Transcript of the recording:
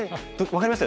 分かります。